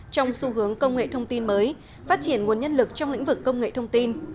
trong xu hướng công nghệ thông tin mới phát triển nguồn nhân lực trong lĩnh vực công nghệ thông tin